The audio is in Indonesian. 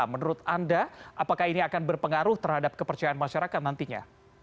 menurut anda apakah ini akan berpengaruh terhadap kepercayaan masyarakat nantinya